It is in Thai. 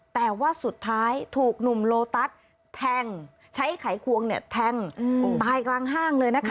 แต่ว่าสุดท้ายถูกหนุ่มโลตัสแทงใช้ไขควงแทงตายกลางห้างเลยนะคะ